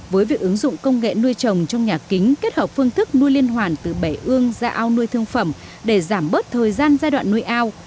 với việc ứng dụng công nghệ nuôi trồng trong nhà kính kết hợp phương thức nuôi liên hoàn từ bể ương ra ao nuôi thương phẩm để giảm bớt thời gian giai đoạn nuôi ao